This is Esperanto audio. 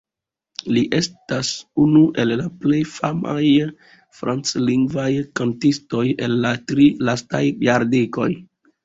Li estas unu el la plej famaj franclingvaj kantistoj el la tri lastaj jardekoj.